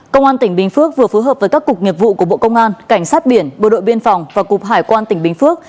công an tỉnh bình phước vừa phối hợp với các cục nghiệp vụ của bộ công an cảnh sát biển bộ đội biên phòng và cục hải quan tỉnh bình phước